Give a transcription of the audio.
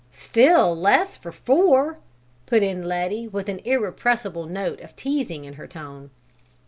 "Still less for four!" put in Letty, with an irrepressible note of teasing in her tone.